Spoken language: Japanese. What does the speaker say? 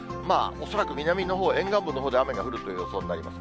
恐らく南のほう、沿岸部のほうで雨が降るという予想になります。